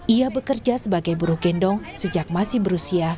ia bekerja sebagai buruh gendong sejak masih berusia